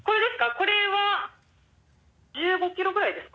これは１５キロぐらいですか？